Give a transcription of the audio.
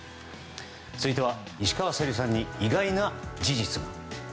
続いては石川さゆりさんに意外な事実が。